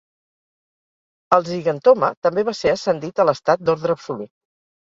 El Zygentoma també va ser ascendit a l'estat d'ordre absolut.